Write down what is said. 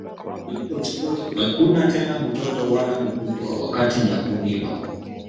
Akuna tena mutoto wala mukubwa wakati yaku rima